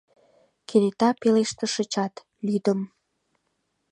Кенета пелештышычат, лӱдым.